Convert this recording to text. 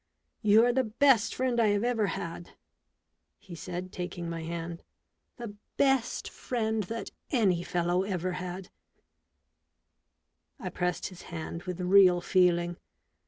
— You are the best friend I have ever had," he said, taking my hand, " the best friend that any fellow ever had," I pressed his hand, with real feeling.